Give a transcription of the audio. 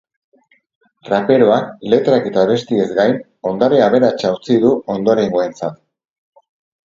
Raperoak letrak eta abestiez gain ondare aberatsa utzi du ondorengoentzat.